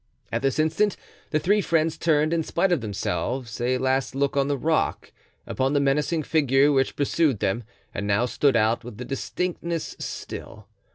At this instant the three friends turned, in spite of themselves, a last look on the rock, upon the menacing figure which pursued them and now stood out with a distinctness still.